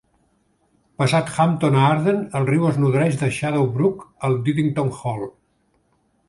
Passat Hampton a Arden el riu es nodreix de "Shadow Brook", al "Diddington Hall".